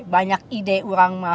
banyak ide orang mah